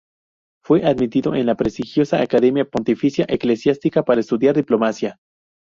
Fue admitido en la prestigiosa Academia Pontificia Eclesiástica para estudiar diplomacia.